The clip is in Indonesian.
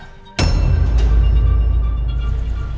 gue butuh tempat tinggal